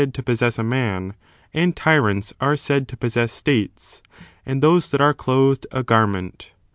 to possess a man, and tyrants are said to possess states, and those that are clothed a garment.